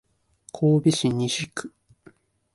神戸市西区